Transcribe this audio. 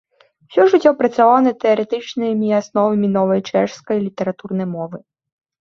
Усё жыццё працаваў над тэарэтычнымі асновамі новай чэшскай літаратурнай мовы.